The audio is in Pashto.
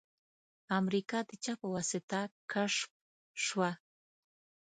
امریکا د چا په واسطه کشف شوه؟